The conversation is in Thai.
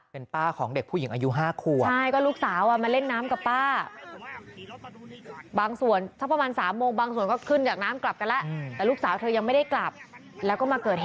เป็นป้าของเด็กผู้หญิงอายุ๕ขวบ